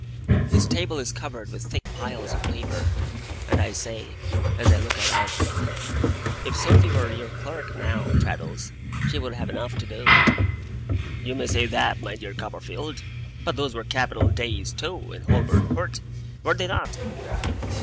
His table is covered with thick piles of papers; and I say, as I look around me: 'If Sophy were your clerk, now, Traddles, she would have enough to do!' 'You may say that, my dear Copperfield! But those were capital days, too, in Holborn Court! Were they not?